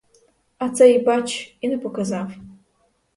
А цей, бач, і не показав.